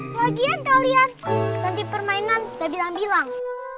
sebagian kalian nanti permainan udah bilang bilang